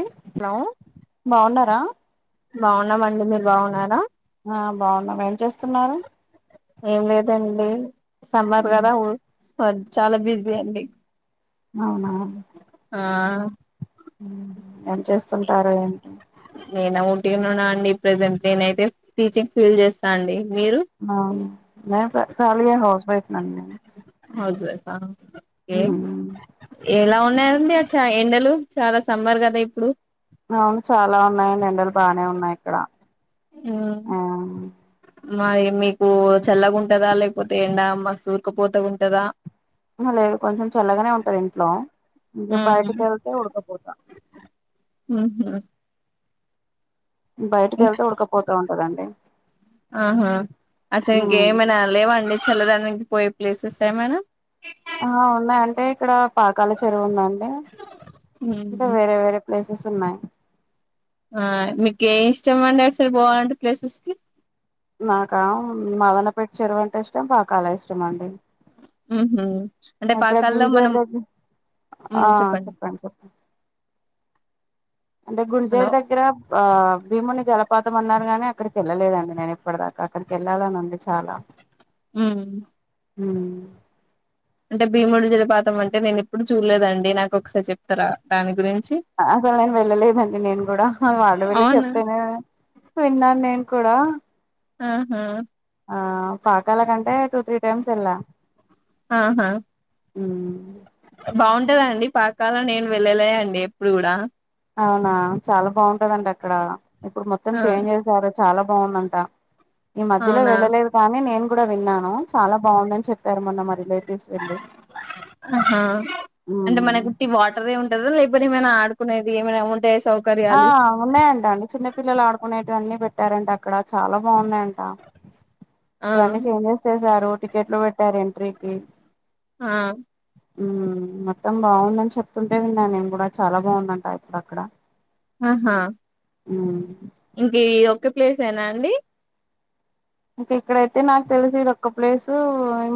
ం హలో బాగున్నారా బాగున్నామండి మీరు బాగున్నారా ఆ బాగున్నావు ఏం చేస్తున్నారు ఏం లేదండి సమ్మర్గాదాఊ చాలా బిజీ అండి అవునా ఆవును ఆ చేస్తుంటారు ఏంటి నేను టీగా ఉన్నా అండి ప్రజెంట్ నేనైతే టీచింగ్ ఫీల్డ్ చేస్తా అండి మీరు ఆ మ కాలిగా హౌస్వాయిఫ అండి నేను ఆ ఏ ఉమ్. ఎలా ఉన్నాారంండి ఆ చ ఎండలు చాలా సమ్మారు కదా ఇప్పుడు అవును చాలా ఉన్నాయండి ఎండలు బానే ఉన్నాయి ఇక్కడ ఊమ్ ఆ మరి మీకు చల్లగుంటదా లేకపోతే ఎండా మస్ ఉకపోత ఉంటదా లేదు కొంచెం చల్లగానే ఉంటది ఇంట్లో ఇక బాయట మ్మ్. కేళ్తే ఉడుకపోతా ఊహ్మ్ బయటకి ఇ వెళ్తే ఉడకపోతా [unintelligible] ఉంటదండి ఆహా ఉమ్. అసలింకేమైనా లేవాండి చల్లదానికి పోయే ప్లేసెస్ ఏమైనా ఆ ఉన్నాయంటే క్కడ పాకాల చెరువు ఉందండి ఇంకా వేరే వేరే ప్లేసెస్ వున్నాయి ఆ మీకే ఇష్టం అండి అసలు బాగుండే ప్లేసెస్కి నాకా మదన పెట్టి చెరువు అంటే ఇష్టం పాకాల ఇష్టం అండి ఊహూ అక్కడ గుంజేడు దగ్గ [unintelligible] ఆ చెప్పండి చెప్పండి అంటే హలో గుంజేడి దగ్గర ఆ భీముని జలపాతం అన్నారు గాని అక్కడికెళ్ళలేదండి నేను ఇప్పటి దాకా అక్కడికెళ్ళాలని ఉంది చాలా ఉమ్ మ్మ్ అంటే భీముడు జలపాతం అంటే నేనెప్పుడు చూడలేదండి నాకొకసారి చెప్తారా దాని గురిం అసలు నేను వెళ్ళలేదండి నేను గూడా వాళ్ళు వీళ్ళు అవునా చెప్తేనే విన్నాన్ నేన్ కూడా మ్ హూ ఆ పాకాల కంటే టూ త్రీ టైమ్స్ ఎళ్లా ఆహా మ్ బావుంటదా అండి పాకాల నేను వెళ్ళలే అండి ఎప్పుడు కూడా అవునా చాలా బావు టదండి అక్కడ ఇప్పుడు మొత్తం ఆ చేంజ్ చేసారు చాలా బావుందంట ఈ మధ్యలో అవునా వెళ్ళలేదు కానీ నేను కూడా విన్నాను చాలా బావుందని చెప్ ఆహా అంటే మనకుట్టి వాటర్ ఏ ఉంటందా లేకపోతేమైనా ఆడు కునేది ఏమనా ఉన్ ఆ ఉన్నాయంట అండి చిన్న పిల్లలు ఆడుకొనేటివన్నీ పెట్ ట్టారంటక్కడ చాలా బాగున్నాయ్ ట ఆ ఇప్పుడు అన్నీ చేంజెస్ చేసారు టికెట్లు పెట్టారు ఎంట్రీకి ఆ మ్ మొత్తం బావుందని చెప్తుంటే విన్నా నేను కూడా చాలా బాగుందంటా ఇప్పుడు అక్కడ ఆహా మ్ ఇంక ఈ ఒక్క ప్లేస్ ఏనా అండి ఇంక ఇక్కడైతే నాకు తెలుసు ఇదోక్క ప్లేసు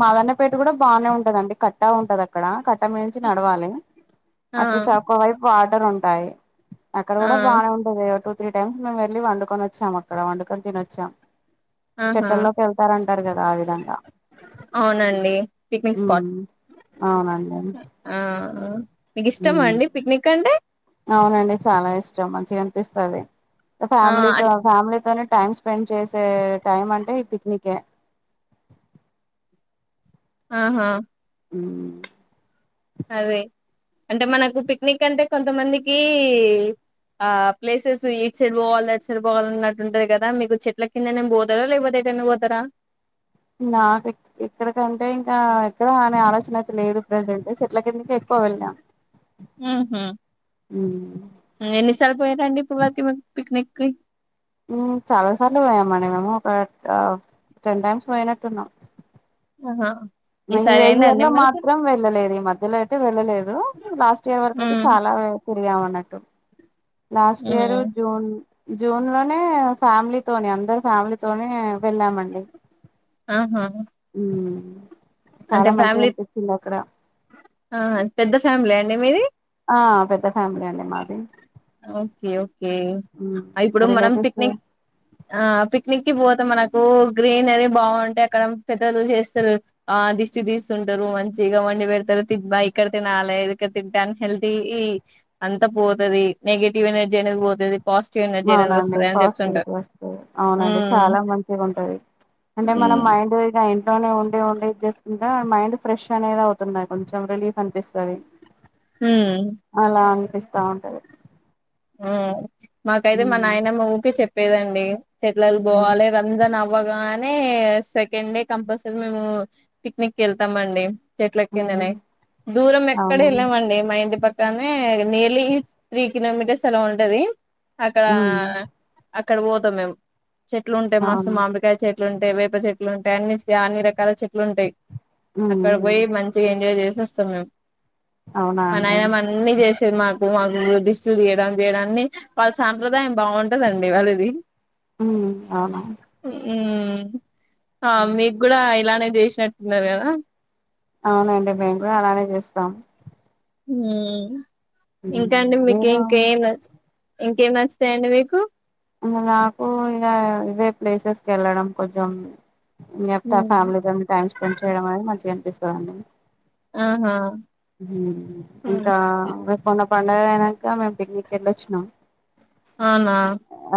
మాదన్నపేట కూడా బాగానే ఉంటదండి కట్టా ఉంటది అక్కడ కట్ట అట్ట మించి నడవాలి ఆ అటు సకు వైపు వాటర్ ఉంట టాయి అక్కడ ఆ కూడా బానే ఉంటుంది యూట్యూబ్ త్రీ టైమ్స్ మేము వెళ్ళి వండుకొని వచ్చాం అక్కడ వండుకొని తినోచ్చాం ఆహా చట్టాల్లోకి వెళ్తారంటారు కదా ఆ విధంగా అవునండి పిక్నిక్ ఉ స్పాట్ అవునండి ఆ మీకు ఉ ఇష్టమా అండి పిక్నిక్ అంటే అవునండి చాలా ఇష్టం అ మంచి గనిపిస్తది ఆ ఫామిలీ టు అన్ ఫామిలీతోనే టైమ్ స్పెండ్ చేసే టైం అంటే ఈ పిక్నికే ఆహా ఉహు అది అంటే మనకు పిక్నిక్ అంటే కొంతమందికి ఆ ప్లేసెస్ ఏటు సైడ్ పోవాల ఏటు సైడ్ పోవాల అన్నట్టు ఉంటుంది కదా మీకు చెట్ల కిందనేం పోతారా లేకపోతే ఎటన్నా పోతారా నాక ఇక్కడకంటే ఇంకా ఎక్కడ అనే ఆలోచన చనా లేదు ప్రజెంట్ చెట్ల కిందకే ఎక్కువ వెళ్తాం ఉహు ఎన్ని సార్లు పోయారండి ఇప్పటి వరకు మీరు పిక్నిక్ కయ్ చాలా సార్లు పోయామడి మేము ఒక టెన్ టైమ్స్ పోయినట్టున్నాం ఆహా ఈసారి అయిందా అండి [unintelligible] మరి మాత్రం వెళ్ళలేదు మద్యలో మద్యలో అయితే వెళ్ళలేదు లాస్ట్ ఇయర్ వరకు అయితే ఉమ్ చాలా తిరిగామన్నట్టు ట్టప్ లాస్ట్ ఇయరు ఉమ్ జూన్ జూన్ లోనే ఫ్యామిలీ తోని అందరు ఫ్యామిలీతోనే వెళ్ళామండి ఆహా ఉమ్ అంటే చాలా మంచిగా ఫ్యామిలీ అనిపించింది అక్కడ ఆది పెద్ద ఫ్యామిలీ అం ఏమిది ఆ పెద్ద ఫ్యామిలీ అండి మాది ఓకే ఓకే ఉమ్ కే ఇప్పుడు మనం రిలేటివ్స్ పిక్నిక్ ఆ పిక్నిక్ కి పోతాం మన తో గ్రీనరీ బాగుంటాయి అక్కడ పెద్దలు చేస్తారు. ఆ దిష్టి తీస్తా ఉంటారు. మంచిగా వండి పెడతారు. తిన్న ఇక్కడ తినాలి. ఇక్కడ తింటే అన్ హెల్ది అంత పోతది. నెగిటివ్ ఎనర్జీ అనేది పోతది. పాజిటివ్ ఎనర్జీ అనేది అవునండి వస్తది అని పాస్టిట్ చెప్తుంటారు వస్తే అవునండి ఉమ్ చాలా మంచిగా ఉంటది. అంటే మనం ఉమ్ మైండ్ బోయిగా ఇంట్లోనే ఉండి ఉండడి వంట చేసుకుంటా మైండ్ ఫ్రెష్ అనేది అవుతుంది కొంచెం రిలీఫ్ అనిపిస్తది. ఉమ్ పిస్తా ఉంటది. ఉమ్ మాకైతే మా హ్మ్ నాయనమ్మ ఊకే చెప్ చెప్పేదండి. చెట్లు లో హ్మ్ బోవాలే రజన అవ్వగానే సెకండ్ డే కంపల్సరీ మేము పిక్నిక్ వెళ్తామ అండి చెట్ల హ్మ్ కిందనే దూరం ఎక్కడ అవునా వెళ్ళామండి మా ఇంటి పక్క తానే నియర్లీ త్రీ కిలోమీటర్స్ చల ఉంటది అక్కడ హ్మ్ అక్కడ పోతాం మేము చెట్లు ఉంటాయి మస్తు అవునా మామిడికాయ చెట్లు చెట్లు ఉంటాయి వేప చెట్లు ఉంటాయి అన్నించి అన్ని రకాల చెట్లు ఉంటాయి హ్మ్ అక్కడ పోయి మంచిగా ఎంజాయ్ చేస్త వస్తా మ్యామ్ అవునా మ అండి నాయనమ్మ అన్ని చేసి సినిమా బన్మా దిస్ట్ తీయడానికి చేయడాన్ని వాళ్ళ సాంప్రదాయం బాగుంటదండి వాళ్ళది ఉమ్ అవునా హమ్ ఆ మీకు కూడా ఇలానే చేసి షట్ మీదేనా అవునండి మేము గుడా అలానే చేస్తాం హమ్ ఉమ్ ఇంకా అండి మీకు మీరు ఇంకేం ఇంకేం నచ్చతాయండి మీకు అ నాకు ఇక ఇవే ప్లేసెస్ కి వెళ్ళడం కొంచెం మిగతా ఉమ్ ఫ్యామిలీగాని టైమ్ స్పెండ్ చేయడం అని మంచిగా పిస్తా ఉన్నది ఆహా ఉ ఇంకాఫన పండుగ అయినంక మేము పిక్నిక్ వెళ్ళొచ్చినాం. అనా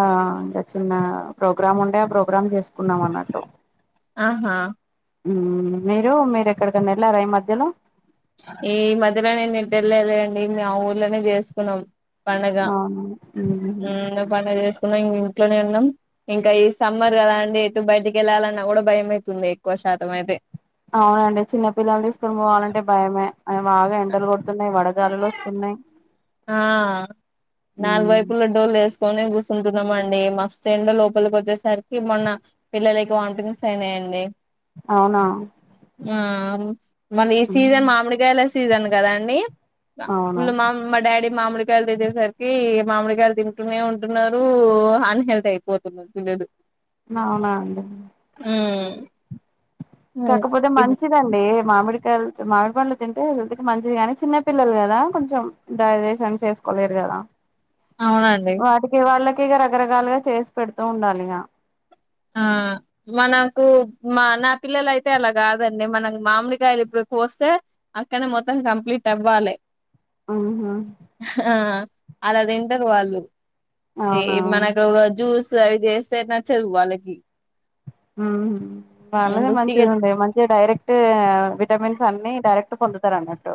ఆ ఇంకా చిన్న ప్రోగ్రామ్ ఉండే ఆ ప్రోగ్రామ్ చేస్ పన్నకున్న మన్నట్టు ఆహా మీరు మీరు ఎక్కడికైనా వెళ్లారా ఈ మధ్యలో ఈ మధ్యలో నేను నను తెరిగి వెళ్ళలే అండి మే ఆ ఊర్లోనే చేసుకున్నాం. పండగ అవును ఉ పండగ చేస్ ఇం ఇంట్లోనే ఉన్నాం. ఇంకా ఈ సమ్మర్ గద అండి. ఎటు బయటికి వెళ్ళాలన్నా కూడా భయం అవుతుంది. ఎక్కువ శాతం అయితే. అవునండి అ బాగా ఎండలు కొడుతున్నాయి వడగాలులు వస్తున్నాయి. ఆ నాలుగు ఉమ్, వైపుల డోలు వేసుకొని గుస్ ఉంటున్నామండి మస్త్ ఎండ లోపలికి వచ్చేసరికి, మొన్న పిల్లలకి, వాంతింగ్స్ అయినాయండి. అవునా ఆ మళ్ళ ఈ సీజన్ ఉమ్, మామిడిగాయలా సీజన్ కదాండి అవునా ఫ మా డాడీ మామిడి కాయలు తినే సరికి, మామిడి కాయలు తింటూనే ఉంటున్నారు. అన్ హెల్త్ అయిపోతున్నారు. పిల్లడు అవునా అండి ఉమ్ కాకపోతే ఇప్ మంచిదండి మామిడికాయలు మామిడిపళ్ళ తింటే హెల్త్ కి మంచిది గాని, చిన్న పిల్లలు కదా. కొంచెం డైజేషన్ చేసుకోలేరు కదా. అవునండి వాడక వాల్లే ఇక రకరకాలుగా చేసి పెడుతూ ఉండాలి ఇక ఆ మనకు మా నా పిల్లల అయితే అలా కాదండి. మనం మామిడి గాయలు ఇప్పుడు కోస్తే, అక్కనే మొత్తం కంప్లీట్ అవ్వాలి. ఆహా ఆ అలా తింటారు వాళ్ళు ఏ అవునా మనకు జూస్ చే చేస్తే నచ్చదు వాళ్ళకి ఇ ఉహు వాళ్ళది మంచిది ఉంది మంచిగా డైరెక్ట్ విటమిన్స్ అన్ని డైరెక్ట్ పొందుతారు అన్నట్టు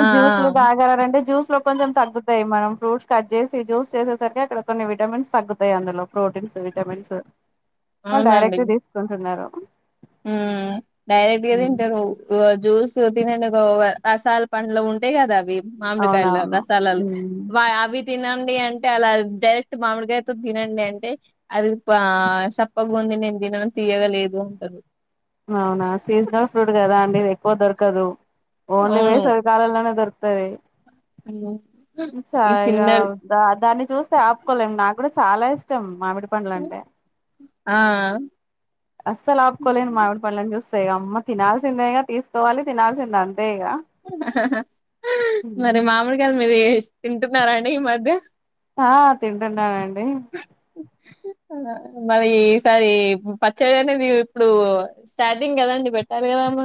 ఆ ఆ జ్యూస్ లో తాగలంటే జ్యూస్ లో కొంచెం తగ్గుతాయి మనం ఫ్రూట్స్ కట్ చేసి జ్యూస్ చేసేసరికి, అక్కడ కొన్ని విటమిన్స్ తగ్గుతాయి. అందులో ప్రోటీన్స్, విటమిన్స్ వాళ్ళు డైరెక్ట్గా తీసుకుంటున్నారు. హ్మ్ డైరెక్ట్గా తింటరు. బ జ్యూస్ తినండి ఆ రసాల పండ్లు ఉంటాయి కదా అవి మామిడికాయల అవునవును రసాలాలు ఉమ్ వా అవి తినం తిను అంటే అలా డైరెక్ట్ మామిడికాయతో తినండి అంటే అది బా చప్పగా ఉంది నేను తిననని తీయగలేదు అంటారు. అవునా సీజనల్ ఫ్రూట్ కదా అండిది ఎక్కువ దొరకదు. ఓన్లీ అవును వేసవి కాలంలోనే దొరుకు సరే చ ఈ ఇగా చిన్నలు రా దాని చూస్తే ఆపుకోలేం నాగ్గూడా చాలా ఇష్టం. మామిడి పండ్ల అంటే ఆ అస్సలు ఆపుకోలేను మామిడి చూస్తే అమ్మ తినాల్సిందేన తీసుకోవాలి తినాల్సింద అ మరి మామిడికాయల మీద ఏస్ తింటున్నారా అండి ఈ మధ్య ఆ తింటున్నానండి. మరి ఈసారి పచ్చడి అనేది ఇప్పుడు స్టార్టింగ్ కదండి పెట్టాలి కదమ్మ.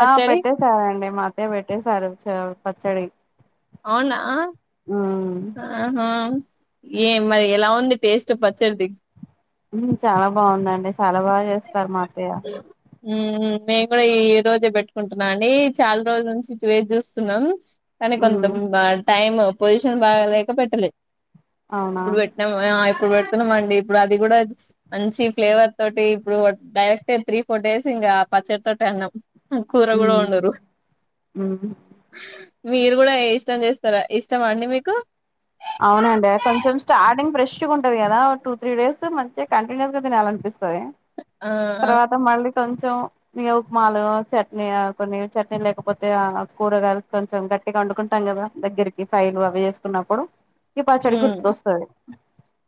ఆ పెట్టేశారండి మా అతయ్య పెట్టేసారు చ పచ్చడి అవునా ఉమ్ ఆహా ఏం మరి ఎలా ఉంది టేస్ట్ పచ్చడిది మ్మ్ చాలా బాగుందండి. చాలా బాగా చేస్తారు మా అత్తయ్య. హ్మ్ మ్మ్ మేము కూడా ఈ రోజే పెట్టుకుంటున్నా అండి చాలా రోజుల నుంచి వేచి చూస్తున్నాం. కానీ ఉమ్ కొంతం గా టైమ్ పొజిషన్ బాగాలేక పెట్టలేదు. అవునా ఇప్పుడు పెట్టినము. ఆ ఇప్పుడు పెడుతున్నాం అండి ఇప్పుడు అది కూడా మంచి ఫ్లేవర్ తోటి ఇప్పుడు డైరెక్ట్ త్రీ ఫోర్ డేస్ ఇంకా పచ్చడితోటే అన్నం. కూర కూడా వండరు. ఉమ్ ఉమ్ మీరు కూడా ఇష్టం చేస్తారా ఇష్టమా అండి మీకు అవునండి కొంచెం స్టార్టింగ్ ఫ్రెష్ గా ఉంటది కదా టూ త్రీ డేస్ మంచిగా కంటిన్యూస్ గా తినేయాలనిపిస్తది. పోయే ఆ తర్వాత మళ్ళీ కొంచెం ఇక ఉప్మాలు చట్నీ కొన్ని చట్నీ లేకపోతే కూరగాయలు కొంచెం గట్టిగా వండుకుంటాం కదా దగ్గరికి ఫ్రైలు అవి చేసుకున్నప్పుడు ఈ పచ్చడి మ్మ్ గుర్తుకొస్తాది.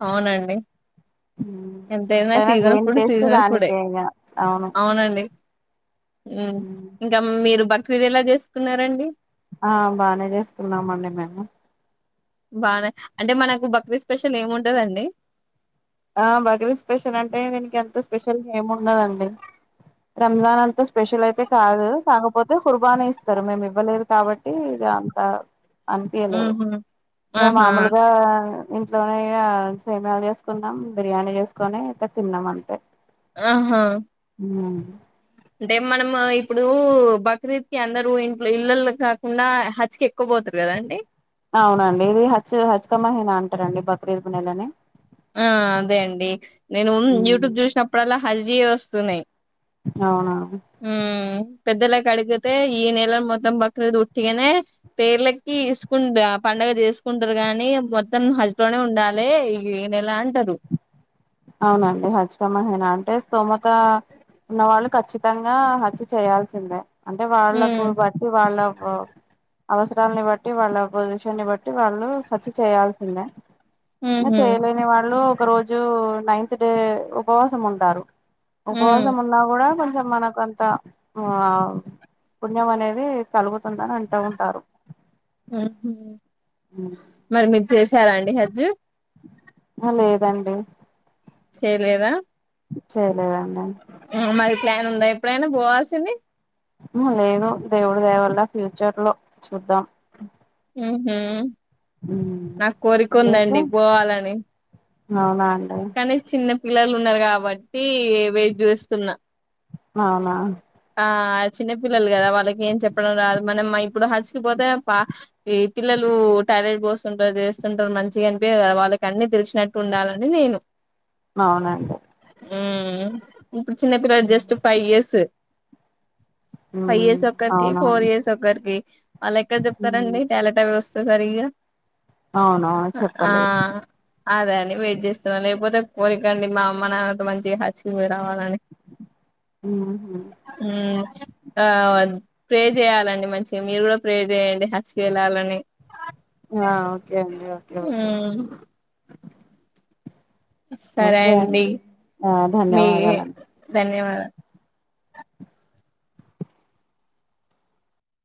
అవునండి ఎంతైనా సీజనల్ ఫుడ్ దేనికేస్తే సీజనల్ ఫుడే దానికేనా అవును అవునండి హ్మ్ ఇంకా మీరు బ ది ఎలా చేసుకున్నారండి ఆ బానే చేసుకున్నామ అండి మేము బానే అంటే మనకు బక్రీద్ స్పెషల్ ఏముంటదండి ఆ బక్రీద్ స్పెషల్ అంటే దీనికి ఎంత స్పెషల్ ఏమి ఉండదండి రంజాన్ అంతా స్పెషల్ అయితే కాదు కాకపోతే కుుర్బానీ ఇస్తారు మేము ఇవ్వలేదు కాబట్టి ఇది అంత అంపియలేరు ఊహు ఇకా ఆహా! మామూలుగా ఇంట్లోనే సేమియాలు చేస్త తీకున్నాం బిర్యానీ చేసుకొని ఇక తిన్నాం అంతే ఆహా ఉ అంటే మనము ఇప్పుడు బక్రీద్ కి అందరుూ ఇంట్లో ఇళ్లల్లో కాకుండా హజ్ కి ఎక్కువ పోతారు కదా అండి అవునండి ఇది హజ్ హజ్ క మహిన అంటారండి బక్రీద్ నెలని ఆ అదే అండి నేను ఉమ్ యూట్యూబ్ చూసినప్పుడలా హజ్ వి వస్తున్నాయి అవునా అ పెద్దలకి అడిగితే ఈ నెల మొత్తం బక్క్రది ఉట్టిగానే పేర్లకి తీసుకుంట పండగ తీసుకుంటారు గాని మొత్తం హజలోనే ఉండాలి ఏనలా అంటరూ అవునండి హజ్ క మహిన అంటే స్తోమత ఉన్న వాళ్ళు కఖచ్చితంగా హజ్ చేయాల్సిందే అంటే వాళ్ళకు హ్మ్. బట్టి వాళ్ళ అవసరాలని బట్టి వాళ్ళ పొజిషన్న్ని బట్టి వాళ్ళు హజ్ చేయాల్సిందే హుహు. చేయలేని వాళ్ళు ఒక రోజు నైన్త డే ఉపవాసం ఉంటారు ఉపవాసం ఉమ్ ఉన్నా కూడా కొంచెం మనకు అంత ఆ పుణ్యం అనేది కలుగు వస్తుందని అంటా ఉంటారు చేశారాండి హజ్ లేదండి చేయలేదా చేయ ఆ మరి ప్లాన్ ఉంద ఎప్పుడైనా పోవాల్సింది మ లేదు దేవుడు దయవల్ల ఫ్యూచర్ లో చూద్దాం ఉహ మ్మ్ నాకు కోరిక మీకు ఉందండి పోవాలని అవునా అండి కానీ చిన్న పిల్లలు ఉన్నారు కాబట్టి వే చూస్తుకున్నా అవునా ఆ చిన్న పిల్లలు కదా వాళ్ళకి ఏం చెప్పడం రాదు మనం ఇప్పుడు హచ్చకపోతే ఈ పిల్లలు టాయిలెట్ పోస్తుంటారు చేస్తుంటారు మంచిగా అనిపియదు కదా వాళ్ళకి అన్నిీ తెలిసినట్టు ఉండాలని నేను అవునండి చిన్న పిలడు జస్ట్ ఫైవ్యర్స్ ఫైవ్ మ్మ్ ఇయర్స్ ఒక్కరికి అవునా ఫోర్ ఇయర్స్ ఒకక్కరికి వాళ్ళు ఎక్కడ చెప్తారండి టాలట వ్యవస్థ సరిగా అవున ఆ చెప్పలేదు అదే అని వెయిట్ చేస్తున్నాను లేకపోతే కోరికండి మా అమ్మ నాన్నతో మంచిగా హచ్చకిపోయి రావాలని ఉ ఉ ఆ ప్రే చేయ్యాలండి మంచిగా మీరు కూడా ప్రే చేయండి హచ్చకు వెళ్ళాలని ఆ ఓకే అండి ఓకే ఓకే ఉమ్ సరే అండి ఆ మీ ధన్యవాదాలండి ధన్యవాదాలు